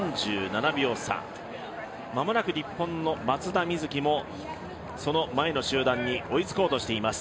３７秒差、間もなく日本の松田瑞生も前の集団に追いつこうとしています。